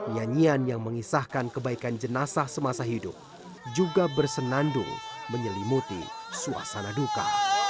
nyanyian yang mengisahkan kebaikan jenazah semasa hidup juga bersenandung menyelimuti suasana duka